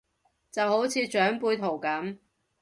就好似長輩圖咁